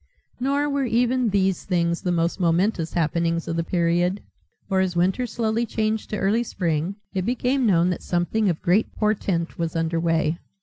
Nor were even these things the most momentous happenings of the period. For as winter slowly changed to early spring it became known that something of great portent was under way.